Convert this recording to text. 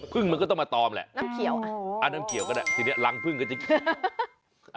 พึ่งมันก็ต้องมาตอมแหละอ๋อน้ำเขียวก็ได้สิเดี๋ยวนี้รังพึ่งก็จะ